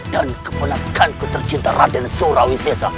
dan kepenangkan ku tercinta raden sorawi sesa